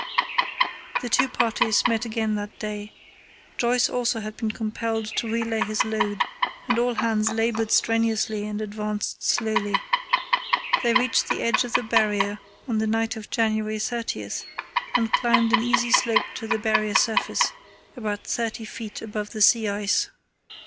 The two parties met again that day. Joyce also had been compelled to relay his load, and all hands laboured strenuously and advanced slowly. They reached the edge of the Barrier on the night of January 30 and climbed an easy slope to the Barrier surface, about thirty feet above the sea ice.